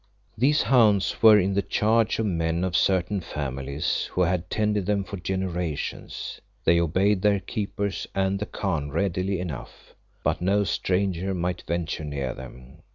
These hounds were in the charge of men of certain families, who had tended them for generations. They obeyed their keepers and the Khan readily enough, but no stranger might venture near them.